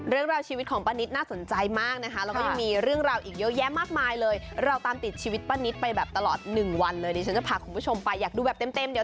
เรื่องราวชีวิตของป้านิดน่าสนใจมากนะคะเราก็ยังมีเรื่องราวอีกเยอะแยะมากมายเลยเราตามติดชีวิตป้านิดไปแบบตลอด๑วันเลยเนี่ย